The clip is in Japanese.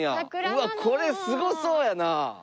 うわっこれすごそうやな！